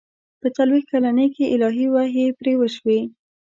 په څلوېښت کلنۍ کې الهي وحي پرې وشي.